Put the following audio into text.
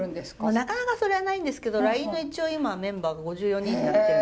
なかなかそれはないんですけどＬＩＮＥの一応今メンバーが５４人になってるんで。